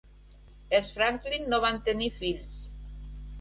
Els Franklin no van tenir fills.